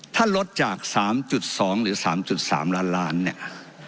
ถ้าลดจาก๓๒หรือ๓๓ล้านล้านเนี่ย